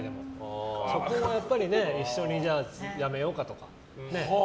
そこはやっぱり一緒にはやめようかって。